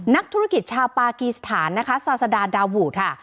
นักธุรกิจชาวปากีสถานนะคะซาซาดาดาวูดค่ะ